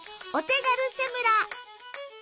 お手軽セムラ。